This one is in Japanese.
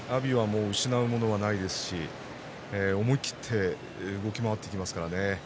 阿炎は失うものがありませんから思い切って動き回っていきますからね。